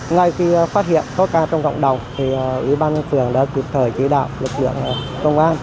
ngay khi phát hiện có ca trong cộng đồng ủy ban nhân phường đã kịp thời chỉ đạo lực lượng công an